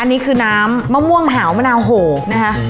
อันนี้คือน้ำมะม่วงหาวมะนาวโหกนะคะ